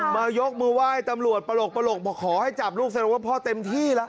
ยกมือไหว้ตำรวจปลกบอกขอให้จับลูกแสดงว่าพ่อเต็มที่แล้ว